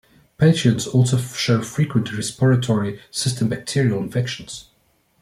Patients also show frequent respiratory system bacterial infections.